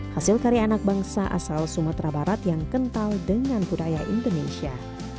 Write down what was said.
hasil karya anak bangsa asal sumatera barat yang kental dengan budaya indonesia